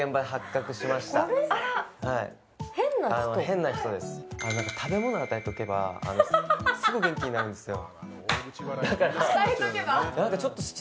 ヘンな人です食べ物与えておけばアハハハすぐ元気になるんですよ